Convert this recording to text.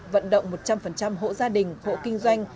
vận động một trăm linh hộ gia đình hộ kinh doanh